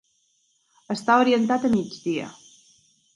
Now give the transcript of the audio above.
Està orientat a migdia.